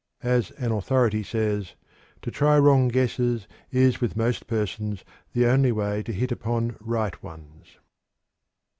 As an authority says: "To try wrong guesses is with most persons the only way to hit upon right ones."